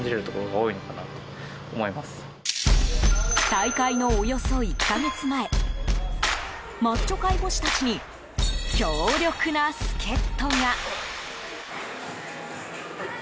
大会のおよそ１か月前マッチョ介護士たちに強力な助っ人が。